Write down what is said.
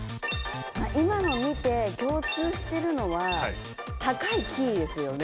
今のを見て共通してるのは高いキーですよね